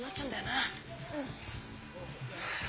うん。